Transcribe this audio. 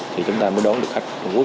thì chúng ta mới đón được